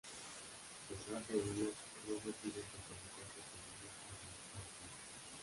A pesar de ello, Ross decide comprometerse con ella a la vista de todos.